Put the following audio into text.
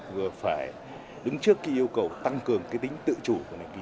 vừa phải đứng trước yêu cầu tăng cường tính tự chủ